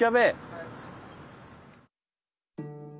はい。